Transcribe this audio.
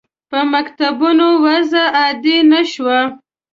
په مکتوبونو وضع عادي نه شوه.